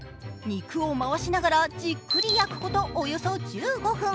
肉を回しながら、じっくり焼くことおよそ１５分。